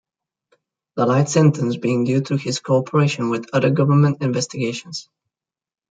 The light sentence being due to his cooperation with other government investigations.